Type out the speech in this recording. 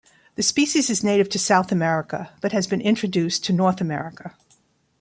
The species is native to South America, but has been introduced to North America.